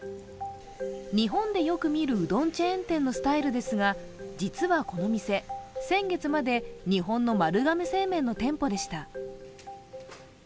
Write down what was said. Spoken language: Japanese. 日本でよく見るうどんチェーン店のスタイルですが実はこの店、先月まで日本の丸亀製麺の店舗でした。